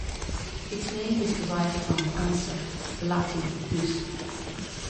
Its name is derived from "anser" the Latin for "goose".